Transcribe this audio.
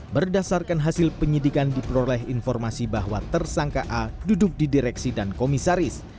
berdasarkan hasil penyidikan diperoleh informasi bahwa tersangka a duduk di direksi dan komisaris